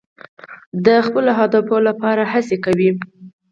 د خپلو اهدافو لپاره هڅې کوئ.